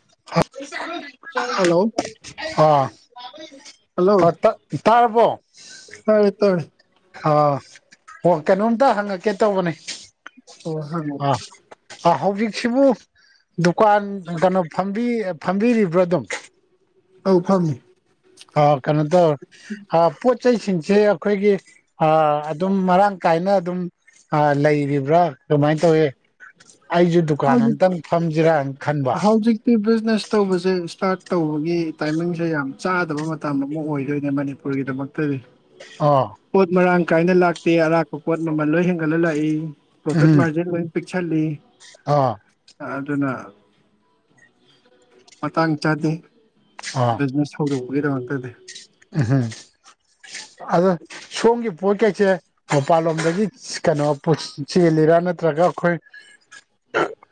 [inaudible] hello ꯑꯥ hello ꯇꯥꯔꯕꯣ ꯇꯥꯏꯌꯦ ꯇꯥꯏ ꯍꯥ ꯍꫭ ꯀꯩꯅꯣꯝꯇ ꯍꯪꯉꯛꯀꯦ ꯇꯧꯕꯅꯦ ꯍꫭ ꯍꯪꯉꯣ ꯑꯥ ꯍꯧꯖꯤꯛꯁꯤꯕꯨ ꯗꯨꯀꯥꯟ ꯀꯩꯅꯣ ꯐꯝꯕꯤ ꯐꯝꯕꯤꯔꯤꯕ꯭ꯔꯣ ꯑꯗꯨꯝ ꯑꯧ ꯐꯝꯃꯤ ꯍ ꯀꯩꯅꯣꯗꯣ ꯍ ꯄꯨꯠ ꯄꯣꯠꯆꯩ ꯆꯩꯁꯤꯡꯁꯤꯡꯁꯦ ꯑꯩꯈꯣꯏꯒꯤ ꯑꯥ ꯑꯗꯨꯝ ꯃꯔꯥꯡ ꯀꯥꯏꯅ ꯑꯗꯨꯝ ꯂꯩꯔꯤ ꯕ꯭ꯔ ꯀꯃꯥꯏꯅ ꯇꯧꯋꯤ ꯑꯩꯁꯨ ꯗꯨꯀꯥꯟ ꯍꯧꯖꯤꯛ ꯑꯝꯇꯪ ꯐꯝꯁꯤꯔꯥ ꯍꯧꯖꯤꯛꯇꯤ ꯕꯤꯖꯤꯅꯦꯁ ꯇꯧꯕꯁꯦ ꯏꯁꯇꯥꯔꯠ ꯇꯧꯕꯒꯤ ꯇꯥꯏꯃꯤꯡꯁꯦ ꯌꯥꯝ ꯆꯥꯗꯕ ꯃꯇꯝ ꯑꯃ ꯑꯣꯏꯗꯣꯏꯅꯦ ꯃꯅꯤꯄꯨꯔꯒꯤꯗꯃꯛꯇꯗꯤ ꯑꯥ ꯄꯣꯠ ꯃꯔꯥꯡ ꯀꯥꯏꯅ ꯂꯥꯛꯇꯦ ꯑꯔꯥꯛꯄ ꯄꯣꯠ ꯃꯃꯜ ꯂꯣꯏ ꯍꯦꯟꯒꯠꯂ ꯂꯥꯛꯏ ꯄ꯭ꯔꯣꯐꯤꯠ ꯎꯝ ꯃꯥꯔꯖꯤꯟ ꯂꯣꯏ ꯄꯤꯛꯁꯜꯂꯤ ꯑꯥ ꯑꯥꯗꯨꯅ ꯃꯇꯥꯡ ꯆꯥꯗꯦ ꯕꯤꯖꯤꯅꯦꯁ ꯍꯧꯗꯧ ꯒꯤꯗꯃꯛꯇꯗꯤ ꯑꯍꯝ ꯑꯗꯣ ꯁꯣꯝꯒꯤ ꯄꯣꯠ ꯀꯩꯁꯦ ꯃꯄꯥꯟ ꯂꯣꯝꯗꯒꯤ ꯁ ꯀꯩꯅꯣ ꯄꯨ ꯆꯦꯜꯂꯤꯔ ꯅꯠꯇ꯭ꯔꯒ ꯑꯩꯈꯣꯏ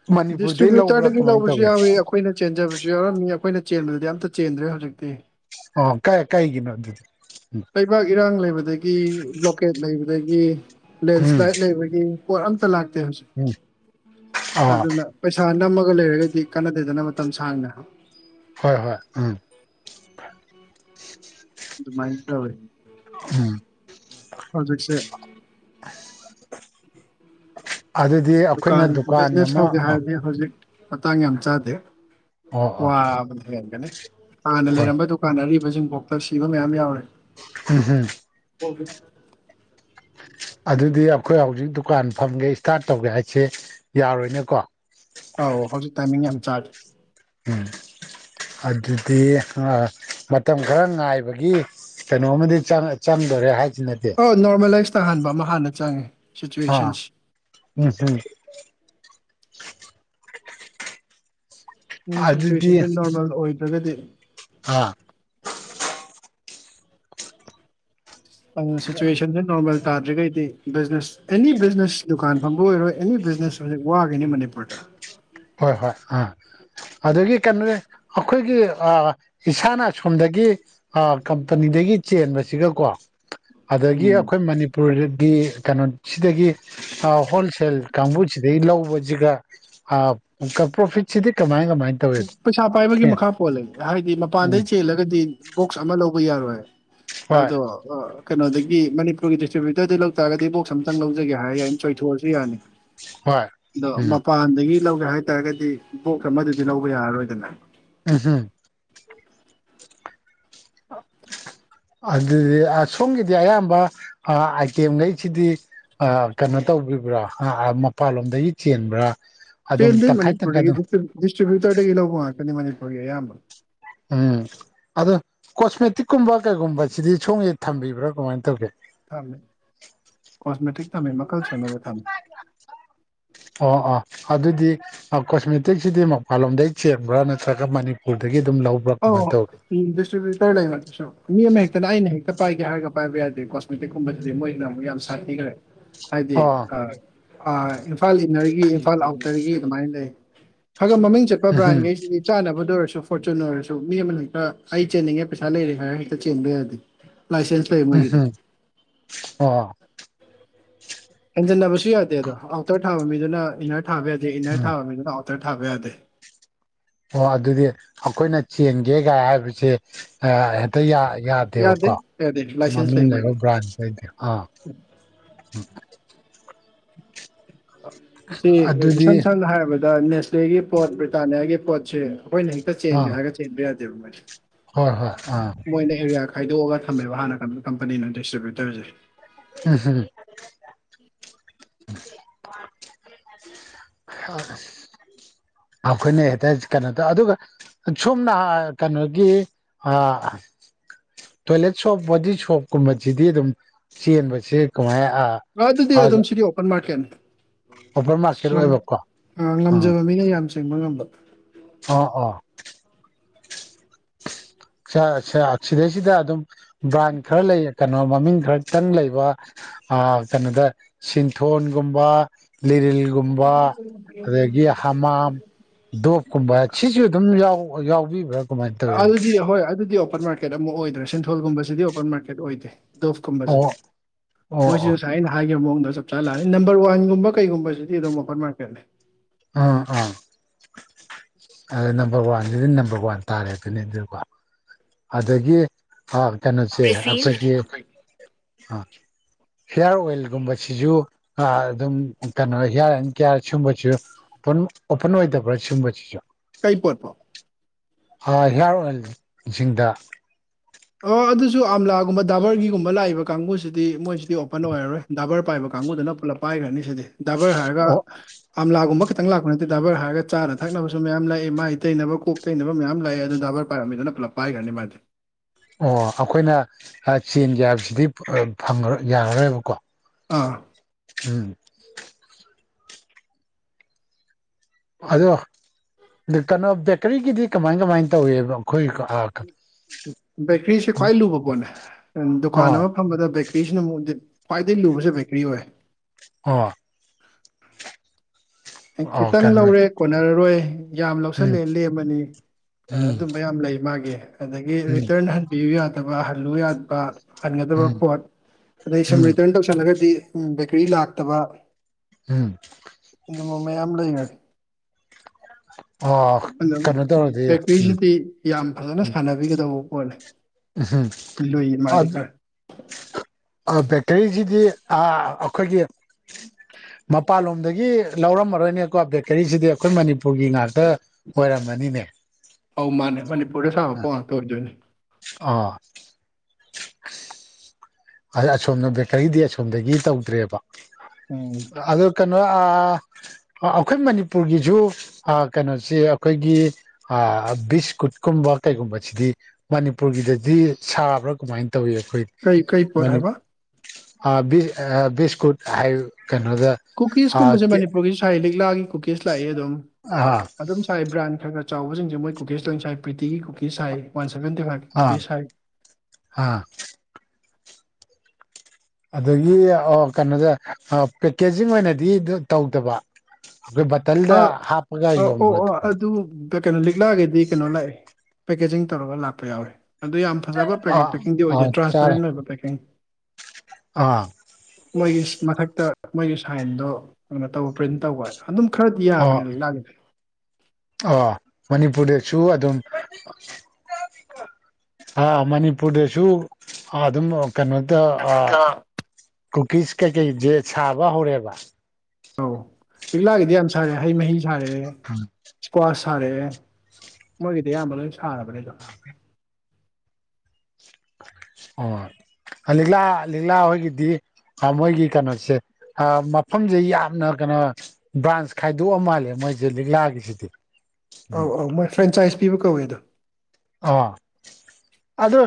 ꯃꯅꯤꯄꯨꯔꯗꯩ ꯂꯧꯕ꯭ꯔꯥ ꯗꯤꯁꯇ꯭ꯔꯤꯕ꯭ꯌꯨꯇꯔꯗꯒꯤ ꯀꯃꯥꯏꯅ ꯂꯧꯕꯁꯨ ꯇꯧꯒꯦ ꯌꯥꯎꯏꯤ ꯑꯩꯈꯣꯏꯅ ꯆꯦꯟꯖꯕꯁꯨ ꯌꯥꯎꯔꯝꯃꯤ ꯑꯩꯈꯣꯏꯅ ꯆꯦꯟꯕꯗꯨꯗꯤ ꯑꯝꯇ ꯆꯦꯟꯗ꯭ꯔꯦ ꯍꯧꯖꯤꯛꯇꯤ ꯑꯣ ꯀ ꯀꯩꯒꯤꯅꯣꯗꯨꯗꯤ ꯂꯩꯕꯥꯛ ꯏꯔꯥꯡ ꯂꯩꯕꯗꯒꯤ ꯕ꯭ꯂꯣꯀꯦꯠ ꯂꯩꯕꯗꯒꯤ ꯎꯝ ꯂꯦꯟꯁ꯭ꯂꯥꯏꯠ ꯂꯩꯕꯒꯤ ꯄꯣꯠ ꯑꯇ ꯂꯥꯛꯇꯦ ꯍꯧꯖꯤꯛ ꯎꯝ ꯑꯥ ꯑꯗꯨꯅ ꯄꯩꯁꯥ ꯅꯝꯃꯒ ꯂꯩꯔꯒꯗꯤ ꯀꯥꯟꯅꯗꯗꯅ ꯃꯇꯝ ꯁꯥꯡꯅ ꯍꯣꯏ ꯍꯣꯏ ꯎꯝ ꯑꯗꯨꯃꯥꯏꯅ ꯇꯧꯋꯤ ꯎꯝ ꯍꯧꯖꯤꯛꯁꯦ ꯑꯗꯨꯗꯤ ꯑꯩꯈꯣꯏꯅ ꯗꯨꯀꯥꯟ ꯕꯤꯖꯤꯅꯦꯁ ꯑꯃ ꯍꯧꯒꯦ ꯑꯥ ꯍꯥꯏꯕꯗꯤ ꯍꯧꯖꯤꯛ ꯃꯇꯥꯡ ꯌꯥꯝ ꯆꯥꯗꯦ ꯑꯣ ꯋꯥ ꯑꯣ ꯑꯃ ꯍꯦꯟꯒꯅꯤ ꯍꯥꯟꯅ ꯍꯣꯏ ꯂꯩꯔꯝꯕ ꯗꯨꯀꯥꯟ ꯑꯔꯤꯕꯁꯤꯡꯕꯣꯛꯇ ꯁꯤꯕ ꯃꯌꯥꯝ ꯌꯥꯎꯔꯦ ꯎꯝ ꯍꯝ ꯀꯕꯤ ꯑꯗꯨꯗꯤ ꯑꯩꯈꯣꯏ ꯍꯧꯖꯤꯛ ꯗꯨꯀꯥꯟ ꯐꯝꯒꯦ ꯏꯁꯇꯥꯔꯠ ꯇꯧꯒꯦ ꯍꯥꯏꯁꯦ ꯌꯥꯔꯣꯏꯅꯦꯀꯣ ꯑꯧ ꯍꯧꯖꯤꯛ ꯇꯥꯏꯃꯤꯡ ꯌꯥꯝ ꯆꯥꯗ ꯎꯝ ꯑꯗꯨꯗꯤ ꯃꯇꯝ ꯈꯔ ꯉꯥꯏꯕꯒꯤ ꯀꯩꯅꯣꯝꯃ ꯆꯪꯗꯣꯔꯦ ꯍꯥꯏ ꯑ ꯅꯣꯔꯃꯦꯂꯥꯏꯁ ꯇꯥꯍꯟꯕ ꯑꯃ ꯍꯥꯟꯅ ꯆꯪꯉꯦ ꯑꯥ ꯁꯤꯆꯨꯋꯦꯁꯟꯁꯦ ꯎꯝ ꯍꯝ ꯎꯝ ꯑꯗꯨꯗꯤ ꯁꯤꯆꯨꯋꯦꯁꯟꯁꯦ ꯅꯣꯔꯃꯦꯜ ꯑꯣꯏꯗ꯭ꯔꯒꯗꯤ ꯑꯥ ꯁꯤꯆꯨꯋꯌꯦꯁꯟ ꯅꯣꯜ ꯇꯥꯗ꯭ꯔꯤꯩꯗꯤ ꯕꯤꯖꯤꯅꯦ ꯑꯦꯅꯤ ꯕꯤꯖꯤꯅꯦꯁ ꯗꯨꯀꯥꯟ ꯐꯝꯕ ꯑꯣꯏꯔꯣꯏ ꯑꯦꯅꯤ ꯕꯤꯖꯤꯅꯦꯁ ꯍꯧꯖꯤꯛ ꯋꯥꯒꯅꯤ ꯃꯅꯤꯄꯨꯔꯗ ꯍꯣꯏ ꯍꯣꯏ ꯑꯥ ꯑꯗꯨꯗꯒꯤ ꯀꯩꯅꯣꯅꯦ ꯑꯩꯈꯣꯏꯒꯤ ꯏꯁꯥꯅ ꯁꯣꯝꯗꯒꯤ ꯀꯝꯄꯅꯤꯗꯒꯤ ꯁꯤꯒꯤ ꯆꯦꯟꯕꯁꯤꯒꯀꯣ ꯑꯗꯒꯤ ꯎꯝ ꯑꯩꯈꯣꯏ ꯃꯅꯤꯄꯨꯔꯗꯤ ꯀꯩꯅꯣ ꯁꯤꯗꯒꯤ ꯍꯣꯜꯁꯦꯜ ꯀꯥꯡꯕꯨꯁꯤꯗꯒꯤꯩ ꯂꯧꯕꯁꯤꯒ ꯄꯣꯐꯤꯠ ꯁ ꯁꯤꯗꯤꯤ ꯀꯃꯑꯒ ꯃ ꯄꯩꯁꯥ ꯄꯥꯏꯕꯒꯤ ꯃꯈꯥ ꯄꯣꯜꯂ ꯍꯥꯏꯗꯤ ꯎꯝ ꯃꯄꯥꯟꯗꯩ ꯆꯦꯜꯂꯒꯗꯤ ꯕꯣꯛꯁ ꯑꯃ ꯂꯧꯕ ꯌꯥꯔꯣꯏ ꯍꯣꯏ ꯑꯗꯣ ꯀꯩꯅꯣꯗꯒꯤ ꯃꯅꯤꯄꯨꯔ ꯑꯩꯈꯣꯏ ꯗꯤꯁꯇ꯭ꯔꯤꯕ꯭ꯌꯨꯇꯔꯗ ꯂꯧ ꯇꯥꯔꯒꯗꯤ ꯕꯣꯛ ꯑꯝꯇꯪ ꯂꯧꯖꯒꯦ ꯍꯥꯏꯔ ꯌꯥꯏ ꯆꯣꯏꯊꯣꯛꯑꯁꯨ ꯌꯥꯅꯤ ꯍꯣꯏ ꯑꯗꯣ ꯎꯝ ꯃꯄꯥꯟꯗꯒꯤ ꯂꯧꯒꯦ ꯍꯥꯏꯇꯥꯔꯒꯗꯤ ꯕꯣꯛꯁ ꯑꯃꯗꯨꯗꯤ ꯂꯧꯕ ꯌꯥꯔꯔꯣꯏꯗꯅ ꯎꯝ ꯍꯝ ꯑꯣ ꯑꯗꯨꯗꯤ ꯁꯣꯝꯒꯤꯗꯤ ꯑꯌꯥꯝꯕ ꯑꯥꯏꯇꯦꯝ ꯂꯩꯁꯤꯗꯤ ꯀꯩꯅꯣ ꯇꯧꯕꯤꯕ꯭ꯔꯥ ꯃꯄꯥꯟꯂꯣꯝꯗꯒꯤ ꯆꯦꯟꯕ꯭ꯔꯥ ꯑꯗꯨꯝ ꯇ꯭ꯔꯦꯟꯗꯤ ꯇꯪꯈꯥꯏ ꯇꯪꯈꯥꯏ ꯃꯅꯤꯄꯨꯔꯗꯒꯤ ꯑꯗꯨꯝ ꯗꯤꯁꯇ꯭ꯔꯤꯕ꯭ꯌꯨꯇꯔꯗꯒꯤ ꯂꯧꯕ ꯉꯥꯛꯇꯅꯤ ꯃꯅꯤꯄꯨꯔꯒꯤ ꯑꯌꯥꯝꯕ ꯎꯝ ꯑꯗꯣ ꯀꯣꯁꯃꯦꯇꯤꯛꯀꯨꯝꯕ ꯀꯩꯒꯨꯝꯕꯁꯤꯗꯤ ꯁꯣꯝꯒꯤꯗ ꯊꯝꯕꯤꯕ꯭ꯔꯥ ꯀꯃꯥꯏꯅ ꯇꯧꯒꯦ ꯊꯝꯃꯤ ꯀꯣꯁꯃꯦꯇꯤꯛ ꯊꯝꯃꯤ ꯃꯈꯜ ꯁꯨꯅꯕ ꯊꯝꯃꯤ ꯑꯣ ꯑꯣ ꯑꯗꯨꯗꯤ ꯀꯣꯁꯃꯦꯇꯤꯛꯁꯤꯗꯤ ꯃꯄꯥꯟꯂꯣꯝꯗꯒꯤ ꯆꯦꯟꯕ꯭ꯔꯥ ꯅꯠꯇ꯭ꯔꯒ ꯃꯅꯤꯄꯨꯔꯗꯒꯤ ꯑꯗꯨꯝ ꯂꯧꯕ꯭ꯔꯥ ꯑ ꯀꯃꯥꯏꯅ ꯇꯧꯏ ꯗꯤꯁꯇ꯭ꯔꯤꯕ꯭ꯌꯨꯇꯔ ꯂꯩꯕ ꯑꯗꯨꯁꯨ ꯃꯤ ꯑꯃ ꯍꯦꯛꯇꯅ ꯑꯩꯅ ꯍꯦꯛꯇ ꯄꯥꯏꯒꯦ ꯍꯥꯏꯔꯒ ꯄꯥꯏꯕ ꯌꯥꯗꯦ ꯀꯣꯁꯃꯦꯇꯤꯛꯀꯨꯝꯕꯗꯗꯤ ꯃꯣꯏꯅ ꯑꯃꯨꯛ ꯌꯥꯝ ꯁꯥꯊꯤꯈ꯭ꯔꯦ ꯍꯥꯏꯗꯤ ꯑꯣ ꯑꯥ ꯏꯝꯐꯥꯜ ꯏꯟꯅꯔꯒꯤ ꯏꯝꯐꯥꯜ ꯑꯥꯎꯇꯔꯒꯤ ꯑꯗꯨꯃꯥꯏꯅ ꯂꯩ ꯈꯒꯝ ꯃꯃꯤꯡ ꯆꯠꯄ ꯎꯝꯍꯨꯝ ꯕ꯭ꯔꯥꯟꯒꯩꯁꯤꯗꯤ ꯆꯥꯟꯅꯕꯗ ꯑꯣꯏꯔꯁꯨ ꯐꯣꯔꯆꯨꯅꯔꯁꯨ ꯃꯤ ꯑꯃꯅ ꯍꯦꯛꯇ ꯑꯩ ꯆꯦꯟꯅꯤꯡꯉꯦ ꯄꯩꯁꯥ ꯂꯩꯔꯦ ꯍꯥꯏꯔ ꯍꯦꯛꯇ ꯆꯦꯟꯕ ꯌꯥꯗꯦ ꯂꯥꯏꯁꯦꯟꯁ ꯂꯩ ꯃꯣꯏꯒꯤꯗꯤ ꯎꯝꯍꯨꯝ ꯑꯣ ꯍꯦꯟꯖꯟꯅꯕꯁꯨ ꯌꯥꯗꯦ ꯑꯗꯣ ꯑꯥꯎꯇꯔ ꯊꯥꯕ ꯃꯤꯗꯨꯅ ꯏꯟꯅꯔ ꯊꯥꯕ ꯌꯥꯗꯦ ꯏꯟꯅꯔ ꯎꯝ ꯊꯥꯕ ꯃꯤꯗꯨꯅ ꯑꯥꯎ ꯠꯇ ꯊꯥꯕꯦꯗ ꯑꯣ ꯑꯗꯨꯗꯤ ꯑꯩꯈꯣꯏꯅ ꯆꯦꯟꯒꯦꯒꯥꯏ ꯍꯥꯏꯕꯁꯦ ꯑꯝꯇ ꯌꯥꯗꯦ ꯌꯥꯗꯦꯕꯀꯣ ꯌꯥꯗꯦ ꯂꯥꯏꯁꯦꯟꯁ ꯃꯃꯤꯡ ꯂꯩ ꯃꯣꯏꯒꯤ ꯂꯩꯕ ꯕ꯭ꯔꯥꯟꯁꯤꯩꯗꯤ ꯑꯥ ꯎꯝ ꯑꯗꯨꯗꯤ ꯏꯁꯥꯟ ꯁꯥꯟ ꯍꯥꯏ ꯗ ꯅꯦꯁꯂꯦꯒꯤ ꯄꯣꯠ ꯕ꯭ꯔꯤꯇꯥꯅꯤꯌꯥꯒꯤ ꯄꯣꯠꯁꯦ ꯑꯩꯈꯣꯏꯅ ꯍꯦꯛꯇ ꯆꯦꯟꯒꯦ ꯑꯥ ꯍꯥꯏꯔꯒ ꯆꯦꯟꯕ ꯌꯥꯗꯦꯕ ꯃꯣꯏꯗꯤ ꯍꯣꯏ ꯍꯣꯏ ꯑꯥ ꯈꯥꯏꯗꯣꯛꯒ ꯊꯝꯃꯦꯕ ꯍꯥꯟꯅ ꯀꯣ ꯀꯝꯄꯅꯤꯅ ꯗꯤꯁꯇ꯭ꯔꯤꯕ꯭ꯌꯨꯇꯔꯁꯦ ꯎꯝ ꯍꯝ [unintelligible] [unintelligible] ꯑꯩꯈꯣꯏꯅ ꯍꯦꯛꯇ ꯀꯩꯅꯣꯗ ꯑꯗꯨꯒ ꯁꯣꯝꯅ ꯀꯩꯅꯣꯒꯤ ꯑ ꯇꯣꯏꯂꯦꯠ ꯁꯣꯞ ꯕꯣꯗꯤ ꯁꯣꯞꯀꯨꯝꯕꯁꯤꯗꯤ ꯑꯗꯨꯝ ꯆꯦꯟꯕꯕꯁꯤꯦ ꯀꯃꯥꯏ ꯑꯥ ꯑꯣꯏꯕꯀꯣ ꯑ ꯉꯝꯖꯕ ꯃꯤꯅ ꯌꯥꯝ ꯁꯦꯡꯕ ꯉꯝꯕ ꯑꯥ ꯑ ꯁꯤꯗꯩꯁꯤꯗ ꯑꯗꯨꯝ ꯕ꯭ꯔꯥꯟ ꯈꯔ ꯂꯩꯌꯦ ꯀꯩꯅꯣ ꯃꯃꯤꯡ ꯈꯔꯛꯇꯪ ꯂꯩꯕ ꯀꯩꯅꯣꯗ ꯁꯤꯟꯊꯣꯟꯒꯨꯝꯕ ꯂꯤꯔꯤꯜꯒꯨꯝꯕ ꯑꯗꯒꯤ ꯍꯥꯃꯝ ꯗꯣꯞ ꯀꯨꯝꯕ ꯁꯤꯁꯨ ꯑꯗꯨꯝ ꯌꯥꯎꯕꯤꯕ꯭ꯔꯥ ꯀꯃꯥꯏꯅ ꯇꯧꯋꯤ ꯑꯗꯨꯗꯤ ꯍꯣꯏ ꯑꯗꯨꯗꯤ ꯑꯣꯄꯟ ꯃꯥꯔꯀꯦꯠ ꯑꯃꯨꯛ ꯑꯣꯏꯗ꯭ꯔꯦ ꯁꯤꯟꯊꯣꯜꯒꯨꯝꯕꯁꯤꯗꯤ ꯑꯣꯄꯟ ꯃꯥꯔꯀꯦꯠ ꯑꯣꯏꯗꯦ ꯗꯣꯐꯀꯨꯝꯕꯁꯦ ꯑꯣ ꯑꯣ ꯃꯣꯏꯁꯤ ꯑꯣ ꯉꯁꯥꯏ ꯑꯩꯅ ꯍꯥꯏꯈꯤꯕ ꯃꯑꯣꯡꯗ ꯆꯞ ꯆꯥꯅ ꯂꯥꯛꯑꯅꯤ ꯅꯝꯕꯔ ꯋꯥꯟꯒꯨꯝꯕ ꯨꯝꯕ ꯀꯩꯒꯨꯝꯕꯁꯤꯗꯤ ꯑꯗꯨꯝ ꯑꯣꯄꯟꯔꯀꯦꯠꯅꯤ ꯑꯥ ꯑꯥ ꯑ ꯅꯝꯕꯔ ꯋꯥꯟꯁꯤꯗꯤ ꯅꯝꯕꯔ ꯋꯥꯟ ꯇꯥꯔꯦ ꯑꯗꯨꯅꯤ ꯑꯗꯨꯀꯣ ꯑꯗꯒꯤ ꯑꯥ ꯀꯩꯅꯣꯁꯦ ꯑꯩꯈꯣꯏꯒꯤ ꯑꯥ ꯍꯤꯌꯥꯔ ꯑꯣꯏꯜꯒꯨꯝꯕꯁꯤꯁꯨ ꯑꯗꯨꯝ ꯀꯩꯅꯣ ꯍꯤꯌꯥꯔ ꯑꯦꯟ ꯀꯤꯌꯥꯔ ꯁꯨꯝꯕꯁꯨ ꯑꯣꯄꯟ ꯑꯣꯄꯟ ꯑꯣꯏꯗꯕ꯭ꯔꯥ ꯁꯤꯒꯨꯝꯕꯁꯤꯁꯨ ꯀꯩ ꯄꯔꯄꯥꯎ ꯍꯤꯌꯥꯔ ꯑꯣꯏꯜꯁꯤꯡꯗ ꯒꯨꯝꯕ ꯗꯥꯕꯔꯒꯤꯒꯨꯝꯕ ꯂꯥꯛꯏꯕ ꯀꯥꯡꯕꯨꯁꯤꯗꯤ ꯃꯣꯏꯁꯤꯗꯤ ꯑꯣꯄꯟ ꯑꯣꯏꯔꯔꯣꯏ ꯗꯥꯕꯔ ꯄꯥꯏꯕ ꯀꯥꯡꯕꯨꯗꯨꯅ ꯄꯨꯂꯞ ꯄꯥꯏꯈ꯭ꯔꯅꯤ ꯁꯤꯗꯤ ꯗꯥꯏꯕꯔ ꯍꯥꯏꯔꯒ ꯑꯣ ꯑꯝꯂꯥꯒꯨꯝꯕ ꯈꯤꯇꯪ ꯂꯥꯛꯄ ꯅꯠꯇꯦ ꯗ꯭ꯔꯥꯏꯚꯔ ꯍꯥꯏꯔꯒ ꯆꯥꯅ ꯊꯛꯅꯕꯁꯨ ꯃꯌꯥꯝ ꯂꯥꯛꯦ ꯃꯥꯏ ꯇꯩꯅꯕ ꯀꯣꯛ ꯇꯩꯅꯕ ꯃꯌꯥꯝ ꯂꯥꯛꯑꯦ ꯑꯗꯨ ꯈꯕꯔ ꯄꯥꯏꯔꯝꯃꯤꯗꯨꯅ ꯄꯨꯂꯞ ꯄꯥꯏꯈ꯭ꯔꯅꯤ ꯃꯥꯁꯦ ꯑꯣ ꯑꯩꯈꯣꯏꯅ ꯆꯦꯟ ꯍꯥꯏꯕꯁꯤꯗꯤ ꯐ ꯌꯥꯔꯔꯣꯏꯕꯀꯣ ꯑꯥ ꯎꯝ ꯑꯗꯣ ꯀꯩꯅꯣ ꯕꯦꯀꯔꯤꯒꯤꯗꯤ ꯀꯃꯥꯏ ꯀꯃꯥꯏꯅ ꯇꯧꯋꯦꯕ ꯑꯩꯈꯣꯏꯀꯣ ꯀ ꯕꯦꯀ꯭ꯔꯤꯁꯦ ꯈ꯭ꯋꯥꯏ ꯂꯨꯕ ꯄꯣꯠꯅꯦ ꯗꯨꯀꯥꯟ ꯑꯣ ꯑꯃ ꯐꯝꯕꯗ ꯕꯦꯀ꯭ꯔꯤꯁꯤꯅ ꯑꯃꯨꯛꯗꯤ ꯈ꯭ꯋꯥꯏꯗꯒꯤ ꯂꯨꯕꯁꯦ ꯕꯦꯀ꯭ꯔꯤ ꯑꯣꯏ ꯑ ꯑꯩ ꯑꯣ ꯈꯤꯇꯪ ꯀꯩꯅꯣ ꯂꯧꯔꯦ ꯀꯣꯟꯅꯔꯔꯣꯏ ꯌꯥꯝ ꯂꯧꯁꯜꯂꯦ ꯎꯝ ꯂꯦꯝꯃꯅꯤ ꯎꯝ ꯑꯗꯨꯝꯕ ꯌꯥꯝ ꯂꯩ ꯃꯥꯒꯤ ꯑꯗꯒꯤ ꯎꯝ ꯔꯤꯇꯔꯟ ꯍꯟꯕꯤꯌꯨ ꯌꯥꯗꯕ ꯍꯜꯂꯨ ꯌꯥꯠꯕ ꯍꯟꯒꯗꯕ ꯎꯝ ꯄꯣꯠ ꯑꯗꯩ ꯁꯨꯝ ꯎꯝ ꯔꯤꯇꯔꯟ ꯇꯧꯁꯜꯂꯒꯗꯤ ꯕꯦꯀꯔꯤ ꯂꯥꯛꯇꯕ ꯎꯝ ꯏ ꯃꯃ ꯌꯥꯝ ꯂꯩꯩꯅ ꯑꯣ ꯀꯩꯅꯣ ꯇꯧꯔꯗꯤ ꯎꯝ ꯕꯦꯀꯔꯤꯁꯤꯗꯤ ꯌꯥꯝ ꯐꯖꯅ ꯁꯥꯟꯅꯕꯤꯒꯗꯧꯕ ꯑꯣꯜ ꯍꯝ ꯑ ꯑ ꯀꯔꯤꯁꯤꯗꯤ ꯑꯩꯈꯣꯏꯒꯤ ꯃꯄꯥꯟꯂꯣꯝꯗꯒꯤ ꯂꯧꯔꯝꯃꯔꯣꯏꯅꯦꯀꯣ ꯕꯦꯀꯔꯤꯁꯤꯗꯤ ꯑꯩꯈꯣꯏ ꯃꯅꯤꯄꯨꯔꯒꯤ ꯉꯥꯛꯇ ꯑꯣꯏꯔꯝꯃꯅꯤꯅꯦ ꯑꯧ ꯃꯥꯅꯦ ꯃꯅꯤꯄꯨꯔ ꯁꯥ ꯄꯣꯉ ꯇꯧꯔꯖꯅꯤ ꯑꯥ ꯑꯁꯣꯝꯅ ꯕꯦꯀꯔꯤꯗꯤ ꯑꯁꯣꯝꯗꯒꯤ ꯇꯧꯗ꯭ꯔꯦꯕ ꯎꯝ ꯑꯗꯨ ꯀ ꯑꯩꯈꯣꯏ ꯃꯅꯤꯄꯨꯔꯒꯤꯁꯨ ꯀꯩꯅꯣꯁꯦ ꯑꯩꯈꯣꯏꯒꯤ ꯕꯤꯁ ꯀꯨꯝ ꯀꯩꯒꯨꯝꯕꯁꯤꯗꯤ ꯃꯅꯤꯄꯨꯔꯗꯗꯤ ꯁꯥꯕ꯭ꯔꯥ ꯀ ꯇꯧꯋꯤ ꯑꯩꯈꯣꯏ ꯀ ꯊ ꯍꯥꯏꯕ ꯑ ꯕꯤꯁꯀꯨꯠ ꯍꯥꯏ ꯀꯩꯅꯣꯗ ꯑꯥ ꯀꯨꯀꯤꯁꯀꯨꯝꯕꯁꯦ ꯃꯅꯤꯄꯨꯔꯒꯤ ꯁꯥꯏ ꯂꯤꯛꯂꯥꯒꯤ ꯀꯨꯀꯤꯁ ꯂꯥꯛꯑ ꯑꯗꯨꯝ ꯑꯥ ꯑꯗꯨꯝ ꯁꯥꯏ ꯕ꯭ꯔꯥꯟ ꯈꯔ ꯈꯔ ꯆꯥꯎꯕꯁꯤꯡꯁꯦ ꯃꯣꯏ ꯀꯨꯀꯦꯁꯇꯪꯁꯥꯏ ꯄ꯭ꯔꯤꯇꯤꯒꯤ ꯄꯁꯥꯏ ꯋꯥꯟ ꯁꯚꯦꯟꯇ ꯐ ꯀ ꯑꯥ ꯄꯁꯥꯏ ꯑꯥ ꯑꯗꯒꯤ ꯀꯩꯅꯣꯁꯦ ꯄꯦꯛꯀꯦꯖꯤꯡ ꯑꯣꯏꯅꯗꯤ ꯇꯧꯗꯕ ꯑꯩꯈꯣꯏ ꯑꯥ ꯕꯇꯜꯗ ꯍꯥꯞꯄꯒ ꯑꯥ ꯑꯣ ꯑꯣ ꯌꯣꯟꯕꯗꯨꯀꯣ ꯑꯗꯨ ꯀꯩꯅꯣ ꯂꯤꯛꯂꯛꯑꯒꯗꯤ ꯀꯩꯅꯣ ꯂꯥꯛꯑꯦ ꯄꯦꯀꯦꯖꯤꯡ ꯇꯧꯔꯒ ꯂꯥꯛꯄ ꯌꯥꯎꯏꯤ ꯑꯗꯨ ꯌꯥꯝ ꯐꯖꯕ ꯄ ꯑꯥ ꯄꯦꯛꯀꯤꯡꯗꯤ ꯑꯣꯏꯗꯦ ꯑꯥ ꯆꯥꯔꯦ ꯇ꯭ꯔꯥꯟꯁꯄꯦꯔꯦꯟ ꯑꯣꯏꯕ ꯄꯦꯛꯀꯤꯡ ꯑꯥ ꯃꯣꯏꯒꯤ ꯃꯊꯛꯇ ꯃꯣꯏꯒꯤ ꯁꯥꯏꯟꯗꯣ ꯀꯩꯅꯣ ꯇꯧꯕ ꯄ꯭ꯔꯤꯟ ꯇꯧꯕ ꯑꯗꯨꯝ ꯈꯔꯗꯤ ꯌꯥꯔꯕꯅꯤ ꯂ ꯂꯥꯛꯑꯦꯗ ꯑꯥ ꯃꯅꯤꯄꯨꯔꯗꯁꯨ ꯑꯗꯨꯝ ꯑ ꯃꯅꯤꯄꯨꯔꯗꯁꯨ ꯑꯗꯨꯝ ꯀꯩꯅꯣꯗ ꯀꯨꯀꯤꯁ ꯀꯩꯀꯩꯁꯦ ꯁꯥꯕ ꯍꯧꯔꯦꯕ ꯑꯧ ꯂꯤꯛꯂꯥꯒꯤꯗꯤ ꯌꯥꯝ ꯁꯥꯔꯦ ꯍꯩ ꯃꯍꯤ ꯁꯥꯔꯦ ꯏꯁꯀ꯭ꯋꯥꯁ ꯁꯥꯔꯦ ꯃꯣꯏꯒꯤꯗꯤ ꯑꯌꯥꯝꯕ ꯂꯣꯏ ꯊꯅꯕꯅꯦꯗ ꯑꯣ ꯂꯤꯛꯂꯥ ꯂꯤꯛꯂꯥ ꯑꯩꯣꯏꯒꯤꯗꯤ ꯃꯣꯏꯒꯤ ꯀꯩꯅꯣꯁꯦ ꯃꯐꯝꯁꯦ ꯌꯥꯝꯅ ꯀꯩꯅꯣ ꯕ꯭ꯔꯥꯟꯁ ꯈꯥꯏꯗꯣꯛꯑ ꯃꯥꯜꯂꯦ ꯃꯣꯏꯁꯦ ꯂꯤꯛ ꯂꯥꯒꯤꯁꯤꯗꯤ ꯑꯧ ꯑꯧ ꯃꯣꯏ ꯐ꯭ꯔꯦꯟꯆꯥꯏꯁ ꯄꯤꯕ ꯀꯧꯋꯦꯗꯣ ꯑꯥ ꯑꯗꯣ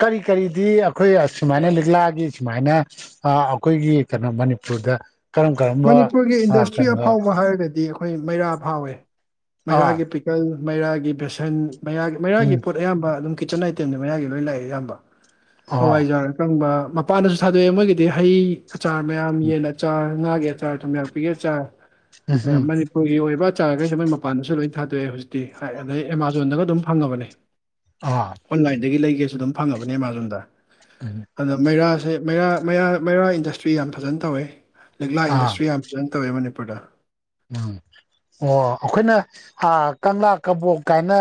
ꯀꯔꯤ ꯀꯔꯤꯗꯤ ꯑꯩꯈꯣꯏ ꯁꯨꯃꯥꯏꯅ ꯂꯤꯛꯂꯥꯒꯤ ꯁꯨꯃꯥꯏꯅ ꯑꯩꯈꯣꯏꯒꯤ ꯀꯩꯅꯣ ꯃꯅꯤꯄꯨꯔꯗ ꯀꯔꯝ ꯀꯔꯝꯕ ꯃꯅꯤꯄꯨꯔꯒꯤ ꯑ ꯏꯟꯗꯁꯇ꯭ꯔꯤ ꯀꯩꯅꯣ ꯑꯐꯥꯎꯕ ꯍꯥꯏꯔꯒꯗꯤ ꯑꯩꯈꯣꯏ ꯃꯩꯔꯥ ꯐꯥꯎꯋꯦ ꯑꯥ ꯃꯩꯔꯥꯒꯤ ꯄꯤꯀꯜ ꯃꯩꯔꯥꯒꯤ ꯕꯦꯁꯟ ꯃꯩꯒꯤ ꯃꯩꯔꯥꯒꯤ ꯎꯝ ꯄꯣꯠ ꯑꯌꯥꯝꯕ ꯑꯗꯨꯝ ꯀꯤꯠꯆꯟ ꯑꯥꯏꯇꯦꯝꯗꯤ ꯃꯩꯔꯒꯤ ꯂꯣꯏ ꯂꯥꯛꯑꯦ ꯑꯌꯥꯝꯕ ꯑꯥ ꯍꯋꯥꯏꯖꯥꯔ ꯑꯀꯪꯕ ꯃꯄꯥꯟꯗꯁꯨ ꯊꯥꯗꯣꯛꯑꯦ ꯃꯣꯏꯒꯤꯗꯤ ꯍꯩ ꯑꯆꯥꯔ ꯃꯌꯥꯝ ꯌꯦꯟ ꯑꯆꯥꯔ ꯉꯥꯒꯤ ꯑꯆꯥꯔ ꯊꯨꯝ ꯌꯥꯔꯛꯄꯤꯒꯦ ꯆꯥꯔ ꯎꯝ ꯎꯝ ꯃꯅꯤꯄꯨꯔꯒꯤ ꯑꯣꯏꯕ ꯆꯥꯔꯈꯩꯁꯨ ꯃꯣꯏ ꯃꯄꯥꯟꯗꯁꯨ ꯂꯣꯏꯅ ꯊꯥꯗꯣꯛꯑꯦ ꯍꯧꯖꯤꯤ ꯑꯗꯩ ꯑꯦꯃꯥꯖꯣꯟꯗꯒ ꯑꯗꯨꯝ ꯐꯪꯉꯕꯅꯤ ꯑꯥ ꯑꯣꯟꯂꯥꯏꯟꯗꯒꯤ ꯂꯩꯒꯦꯁꯨ ꯑꯗꯨꯝ ꯐꯪꯉꯕꯅꯤ ꯑꯦꯃꯥꯖꯣꯟꯗ ꯎꯝ ꯑꯗ ꯃꯩꯔꯥ ꯦ ꯃꯩꯔꯥ ꯃꯩꯔꯥ ꯏꯟꯗꯁꯇ꯭ꯔꯤ ꯌꯥꯝ ꯐꯖꯅ ꯇꯧꯋꯦ ꯂꯤꯛꯂꯥ ꯏꯟꯗꯁꯇ꯭ꯔꯤ ꯑꯥ ꯅ ꯇꯧꯋꯦ ꯃꯅꯤꯄꯨꯔꯗ ꯎꯝ ꯑꯣ ꯑꯩꯈꯣꯏꯅ ꯀꯪꯂꯥ ꯀꯕꯣꯛ ꯀꯥꯏꯅ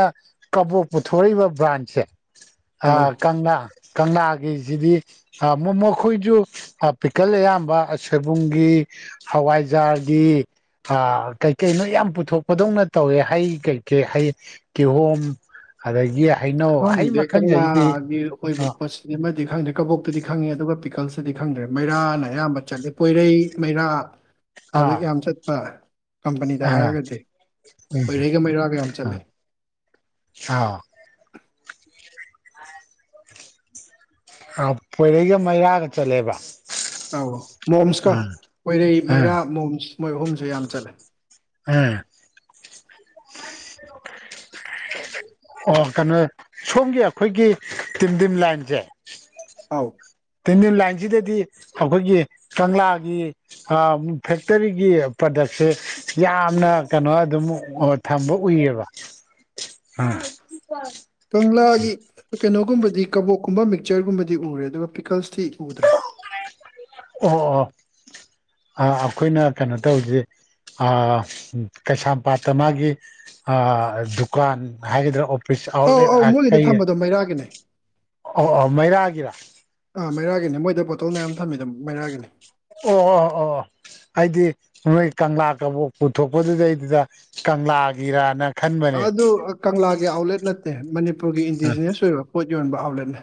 ꯀꯕꯣꯛ ꯊꯣꯛꯛꯏꯕ ꯕ꯭ꯔꯥꯟꯁꯦ ꯑꯧ ꯀꯪꯂ ꯀꯪꯂ ꯁꯤꯗꯤ ꯃꯈꯣꯏꯁꯨ ꯄꯤꯀꯜ ꯑꯌꯥꯝꯕ ꯁꯣꯏꯕꯨꯡꯒꯤ ꯍꯋꯥꯏꯖꯥꯔꯒꯤ ꯀꯩꯀꯩꯅꯣ ꯌꯥꯝ ꯄꯨꯊꯣꯛꯄꯗꯧꯅ ꯇꯧꯋꯦ ꯍꯩ ꯀꯩꯀꯩ ꯍꯩ ꯀꯤꯍꯣꯝ ꯀꯗꯒꯤ ꯈꯪ ꯗꯦꯀꯒꯤ ꯑꯣꯏꯣꯏꯕ ꯑꯥ ꯄꯁ ꯗꯤ ꯈꯪꯗ꯭ꯔꯦ ꯀꯕꯣꯛꯇꯨꯗꯤ ꯈꯪꯉꯦ ꯑꯗꯨꯒ ꯄꯤꯀꯜꯁꯗꯤ ꯈꯪꯗ꯭ꯔꯦ ꯃꯩꯔꯥꯅ ꯑꯌꯥꯝꯕ ꯆꯠꯂꯤ ꯄꯣꯏꯔꯩ ꯃꯩꯔꯥ ꯍꯧꯖꯤꯛ ꯑꯥ ꯌꯥꯝ ꯆꯠꯄ ꯀꯝꯄꯅꯤꯗ ꯑꯥ ꯍꯥꯏꯔꯒꯗꯤ ꯃꯩꯔꯩꯒ ꯃꯩꯔꯥꯒ ꯌꯥꯝ ꯆꯠꯂꯦ ꯑ ꯑ ꯄꯣꯏꯔꯩꯒ ꯃꯩꯔꯥꯒ ꯆꯠꯂꯦꯕ ꯑꯧ ꯃꯣꯝꯁꯀ ꯑꯥ ꯄꯣꯏꯔꯩ ꯑꯥ ꯃꯩꯔꯥ ꯃꯣꯝꯁ ꯃꯣꯏ ꯑꯍꯨꯝꯁꯨ ꯌꯥꯝ ꯆꯠꯂꯦ ꯎꯝ ꯑꯣ ꯀꯩꯅꯣ ꯁꯣꯝꯒꯤ ꯑꯩꯈꯣꯏꯒꯤ ꯇꯤꯝꯗꯤꯝ ꯂꯥꯏꯟꯁꯦ ꯑꯥꯎ ꯇꯦꯟꯗꯤꯜ ꯂꯥꯏꯟꯁꯤꯗꯗꯤ ꯑꯩꯈꯣꯏꯒꯤ ꯀꯪꯂꯥꯒꯤ ꯐꯦꯛꯇꯔꯤꯒꯤ꯭ꯔ ꯄꯗꯛꯁꯦ ꯌꯥꯝꯅ ꯀꯩꯅꯣ ꯑꯗꯨꯝ ꯊꯝꯕ ꯎꯏꯌꯦꯕ ꯑꯝ ꯀꯪꯂꯒꯤ ꯀꯩꯅꯣ ꯑꯗꯨꯒꯨꯝꯕꯗꯤ ꯀꯕꯣꯛꯀꯨꯝꯕ ꯃꯤꯛꯆꯔꯒꯨꯝꯕꯗꯤ ꯎꯔꯦ ꯑꯗꯨꯒ ꯄꯤꯀꯜꯁꯇꯤ ꯎꯗ꯭ꯔꯦ ꯑꯣ ꯑꯣ ꯑ ꯑꯩꯈꯣꯏꯅ ꯀꯩꯅꯣ ꯇꯧꯁꯦ ꯀꯩꯁꯥꯝꯄꯥꯠꯇ ꯃꯥꯒꯤ ꯗꯨꯀꯥꯟ ꯍꯥꯏꯒꯗ꯭ꯔꯥ ꯁ ꯑꯧ ꯑꯥꯎꯠꯂꯦꯠ ꯑꯧ ꯃꯣꯏꯒꯤꯗ ꯀꯩ ꯊꯝꯕꯗꯣ ꯃꯩꯔꯥꯒꯤꯅꯦ ꯑꯣ ꯃꯩꯔꯥꯒꯤꯔꯥ ꯃꯩꯔꯥꯒꯤꯅꯤ ꯃꯣꯏꯗ ꯕꯣꯇꯜ ꯃꯌꯥꯝ ꯊꯝꯃꯤ ꯑꯗꯨꯝ ꯃꯩꯔꯥꯒꯤꯅꯤ ꯑꯣ ꯑꯣ ꯑꯣ ꯑꯩꯗꯤ ꯅꯣꯏ ꯀꯪꯂꯥ ꯀ ꯄꯨꯊꯣꯛꯄꯗꯨꯗꯩꯗꯨꯗ ꯀꯪꯂꯥꯒꯤꯔꯥꯅ ꯑꯗꯨ ꯀꯪꯂꯥꯒꯤ ꯑꯥꯎꯠꯂꯦꯠ ꯅꯠꯇꯦ ꯃꯅꯤꯄꯨꯔꯒꯤ ꯏꯟꯗꯤꯖꯤꯅ꯭ꯁ ꯑꯣꯏꯕ ꯄꯣꯠꯅꯤ ꯌꯣꯟꯕꯕ ꯂꯩꯅꯦ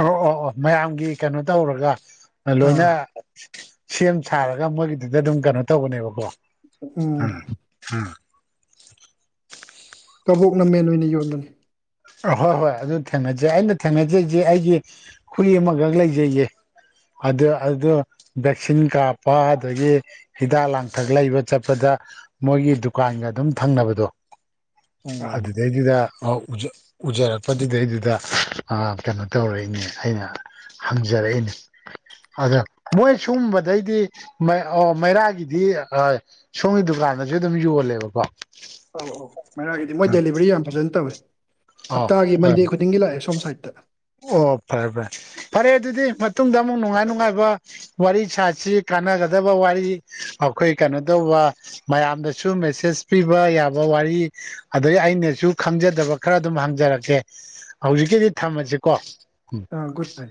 ꯑꯣ ꯑꯣ ꯑꯣ ꯃꯌꯥꯝꯒꯤ ꯀꯩꯅꯣ ꯇꯧꯔꯒ ꯑꯥ ꯂꯣꯏꯅ ꯁꯦꯝ ꯁꯥꯔꯒ ꯃꯣꯏꯒꯤꯗꯨꯗ ꯑꯗꯨꯝ ꯀꯩꯅꯣ ꯇꯧꯕꯅꯦꯕꯀꯣ ꯎꯝ ꯎꯝ ꯀꯕꯣꯛꯅ ꯃꯦꯟ ꯑꯣꯏꯅ ꯌꯣꯟꯕꯅꯤ ꯍꯣꯏ ꯍꯣꯏ ꯑꯗꯨ ꯊꯦꯡꯅꯖꯩ ꯑꯩꯅ ꯊꯦꯡꯅꯖꯩꯁꯦ ꯑꯩꯁ ꯍꯨꯏ ꯑꯃꯈꯛ ꯂꯩꯖꯩꯒꯦ ꯑꯗꯨ ꯑꯗꯨ ꯚꯦꯛꯁꯤꯟ ꯀꯥꯞꯄ ꯑꯗꯨꯗꯒꯤ ꯍꯤꯗꯥꯛ ꯂꯥꯡꯊꯛ ꯂꯩꯕ ꯆꯠꯄꯗ ꯃꯣꯏꯒꯤ ꯗꯨꯀꯥꯟꯒ ꯑꯗꯨꯝ ꯊꯪꯅꯕꯗꯣ ꯎꯝ ꯑꯗꯨꯗꯩꯗꯨꯗꯖ ꯎꯖꯔꯛꯄꯗꯨꯗꯩꯗꯨꯗ ꯀꯩꯅꯣ ꯇꯧꯔꯛꯏꯅꯦ ꯑꯩꯅ ꯍꯪꯖꯔꯛꯏꯅꯦ ꯑꯗ ꯃꯣꯏ ꯁꯒꯨꯝꯕꯗꯩꯗꯤ ꯑꯣ ꯃꯩꯔꯥꯒꯤꯗꯤ ꯁꯣꯝꯒꯤ ꯗꯨꯀꯥꯟ ꯀꯥꯟꯗꯁꯨ ꯑꯗꯨꯝ ꯌꯣꯜꯂꯦꯕꯀꯣ ꯑꯧ ꯑꯧ ꯃꯩꯔꯥꯒꯤꯗꯤ ꯃꯣꯏ ꯎꯝ ꯗꯦꯂꯤꯚꯔꯤ ꯌꯥꯝ ꯐꯖꯅ ꯇꯧꯋꯤ ꯑꯥꯎ ꯍꯞꯇꯥꯒꯤ ꯍꯣꯏ ꯃꯟꯗꯦ ꯈꯨꯗꯤꯡꯒꯤ ꯂꯥꯛꯑꯦ ꯁꯣꯝ ꯁꯥꯏꯠꯇ ꯑꯣ ꯐꯔꯦ ꯐꯔꯦ ꯐꯔꯦ ꯑꯗꯨꯗꯤ ꯃꯇꯨꯡꯗ ꯑꯃꯨꯛ ꯅꯨꯡꯉꯥꯏ ꯅꯨꯡꯉꯥꯏꯕ ꯋꯥꯔꯤ ꯁꯥꯁꯤ ꯀꯥꯟꯅꯒꯗ ꯐꯗꯕ ꯋꯥꯔꯤ ꯑꯩꯈꯣꯏ ꯀꯩꯅꯣ ꯇꯧꯕ ꯃꯌꯥꯝꯗꯁꯨ ꯃꯦꯁꯦꯖ ꯄꯤꯕ ꯌꯥꯕ ꯋꯥꯔꯤ ꯑꯗꯩ ꯑꯩꯅꯁꯨ ꯈꯪꯖꯗꯕ ꯈꯔ ꯑꯗꯨꯝ ꯍꯪꯖꯔꯛꯀꯦ ꯍꯧꯖꯤꯛꯀꯤꯗꯤ ꯊꯝꯃꯁꯤ ꯀꯁ ꯑꯥ ꯣꯠꯇꯥꯏ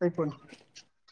ꯑꯩꯥꯏ ꯐꯣꯟꯣꯟ